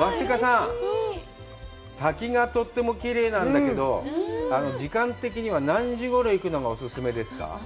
ワスティカさん、滝がとってもきれいなんだけど、時間的には何時ごろに行くのがお勧めですか。